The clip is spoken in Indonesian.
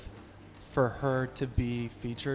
saya menyanyikan sendiri